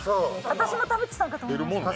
私も田渕さんかと思いました。